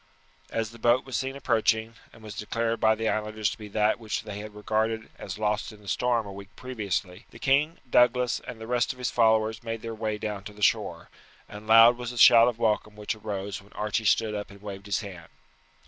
As the boat was seen approaching, and was declared by the islanders to be that which they had regarded as lost in the storm a week previously, the king, Douglas, and the rest of his followers made their way down to the shore; and loud was the shout of welcome which arose when Archie stood up and waved his hand.